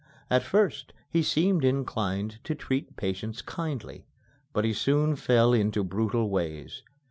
At first he seemed inclined to treat patients kindly, but he soon fell into brutal ways.